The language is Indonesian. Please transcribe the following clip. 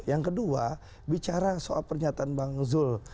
yang kedua bicara soal pernyataan bang zul